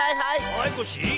はいコッシー。